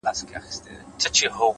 انسان د خپل فکر په اندازه لوی وي؛